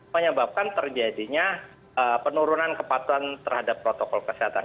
menyebabkan terjadinya penurunan kepatuhan terhadap protokol kesehatan